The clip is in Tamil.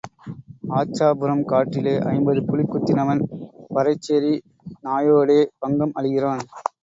ஆச்சாபுரம் காட்டிலே ஐம்பது புலி குத்தினவன் பறைச்சேரி நாயோடே பங்கம் அழிகிறான்.